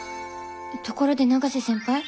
ところで永瀬先輩